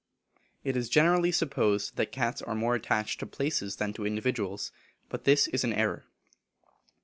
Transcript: It is generally supposed that cats are more attached to places than to individuals, but this is an error.